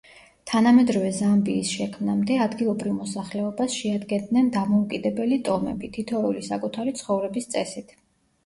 თანამედროვე ზამბიის შექმნამდე, ადგილობრივ მოსახლეობას შეადგენდნენ დამოუკიდებელი ტომები, თითოეული საკუთარი ცხოვრების წესით.